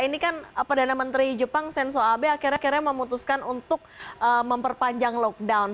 ini kan perdana menteri jepang senso abe akhirnya akhirnya memutuskan untuk memperpanjang lockdown